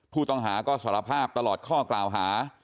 ผู้ต้องหาก็สารภาพตลอดข้อกล่าวหา